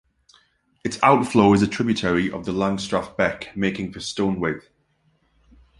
Its outflow is a tributary of the Langstrath Beck, making for Stonethwaite.